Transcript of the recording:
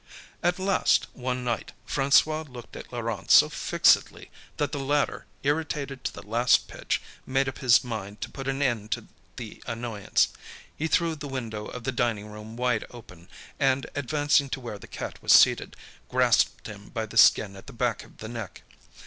At last, one night, François looked at Laurent so fixedly, that the latter, irritated to the last pitch, made up his mind to put an end to the annoyance. He threw the window of the dining room wide open, and advancing to where the cat was seated, grasped him by the skin at the back of the neck.